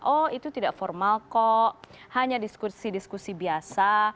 oh itu tidak formal kok hanya diskusi diskusi biasa